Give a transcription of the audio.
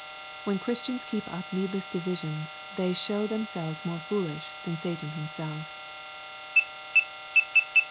When Christians keep up needless divisions they show themselves more foolish than Satan himself.